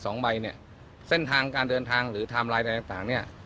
สองใบเนี่ยเส้นทางการเดินทางหรือไทม์ไลน์ใดต่างต่างเนี้ย